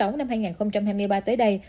năm hai nghìn hai mươi ba tới đây